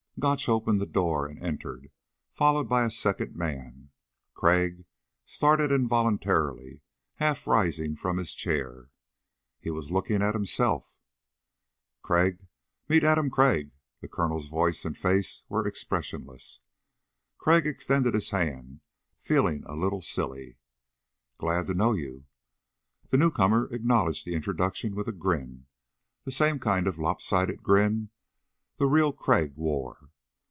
Gotch opened the door and entered, followed by a second man. Crag started involuntarily, half rising from his chair. He was looking at himself! "Crag, meet Adam Crag." The Colonel's voice and face were expressionless. Crag extended his hand, feeling a little silly. "Glad to know you." The newcomer acknowledged the introduction with a grin the same kind of lopsided grin the real Crag wore.